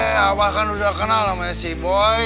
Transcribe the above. eh abah kan udah kenal namanya si boy